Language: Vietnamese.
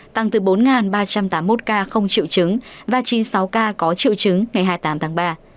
tăng từ bốn ba trăm tám mươi một ca không triệu chứng và chín mươi sáu ca có triệu chứng ngày hai mươi tám tháng ba